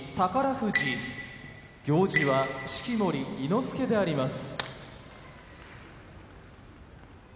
富士行司は式守伊之助であります。